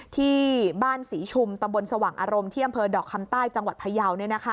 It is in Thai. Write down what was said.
ที่บ้านศรีชุมตำบลสว่างอารมณ์ที่อำเภอดอกคำใต้จังหวัดพยาว